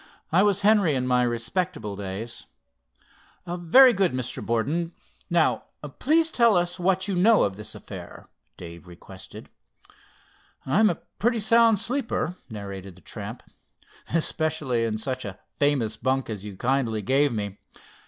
I was Henry, in my respectable days." "Very good, Mr. Borden, now please tell us what you know of this affair," Dave requested. "I'm a pretty sound sleeper," narrated the tramp, "especially in such a famous bunk as you kindly gave me.